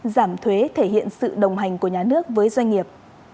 giảm thuế thể hiện sự đồng hành của nhà nước với doanh nghiệp